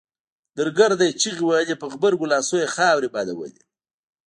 درګرده يې چيغې وهلې په غبرګو لاسونو يې خاورې بادولې.